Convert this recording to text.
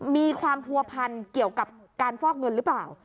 มีความผัวพันเกี่ยวกับการฟอกเงินหรือเปล่า